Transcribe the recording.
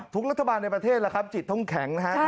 รัฐบาลในประเทศล่ะครับจิตต้องแข็งนะฮะ